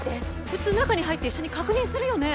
普通中に入って一緒に確認するよね？